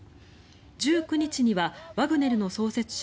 １９日にはワグネルの創設者